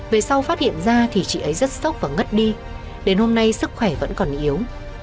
về sau phát hiện ra thì chị ấy rất sốc và ngất đi đến hôm nay sức khỏe vẫn còn yếu